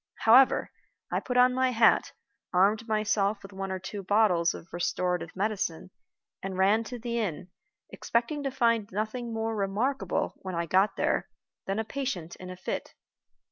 However, I put on my hat, armed myself with one or two bottles of restorative medicine, and ran to the inn, expecting to find nothing more remarkable, when I got there, than a patient in a fit.